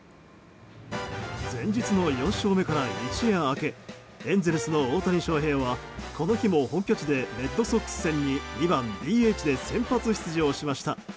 前日の４勝目から一夜明けエンゼルスの大谷翔平はこの日も本拠地でレッドソックス戦に２番ＤＨで先発出場しました。